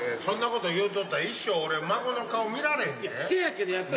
そんなこと言うとったら一生俺孫の顔見られへんで。